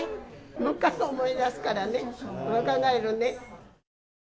昔を思い出すからね、若返るね。